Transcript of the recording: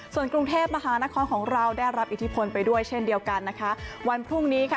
ส่วนกรุงเทพมหานครของเราได้รับอิทธิพลไปด้วยเช่นเดียวกันนะคะวันพรุ่งนี้ค่ะ